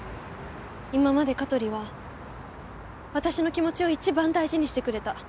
今まで香取は私の気持ちを一番大事にしてくれた。